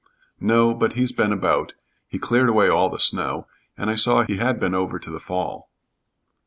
"No, but he's been about. He cleared away all the snow, and I saw he had been over to the fall."